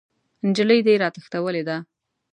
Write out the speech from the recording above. نجلۍ دې راتښتولې ده!